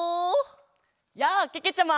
やあけけちゃま！